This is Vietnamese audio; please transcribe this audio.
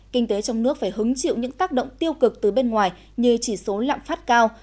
kinh tế trong nước phải hứng chịu những tác động tiêu cực từ bên ngoài như chỉ số lạm phát cao